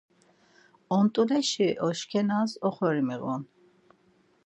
Ont̆uleşi oşkenas oxori miğun.